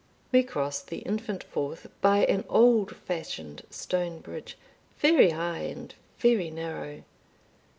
We crossed the infant Forth by an old fashioned stone bridge, very high and very narrow.